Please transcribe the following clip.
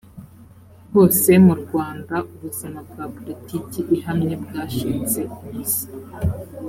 kose mu rwanda ubuzima bwa poritiki ihamye bwashinze imizi